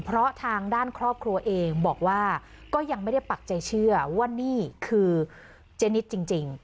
เพราะทางด้านครอบครัวเองบอกว่าก็ยังไม่ได้ปักใจเชื่อว่านี่คือเจนิดจริง